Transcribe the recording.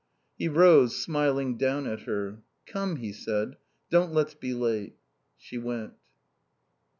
He rose, smiling down at her. "Come," he said. "Don't let's be late." She went.